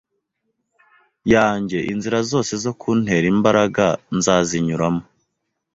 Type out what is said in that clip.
yanjye inzira zose zo kuntera imbaraga nzazinyuramo